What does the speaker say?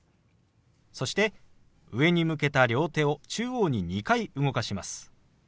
そして上に向けた両手を中央に２回動かします。